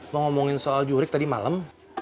mau ngomongin soal jurik tadi malam